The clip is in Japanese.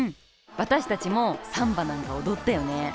私たちもサンバなんか踊ったよね。